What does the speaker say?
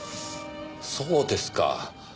そうですか。